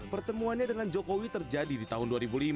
pertemuannya dengan jokowi terjadi di tahun dua ribu lima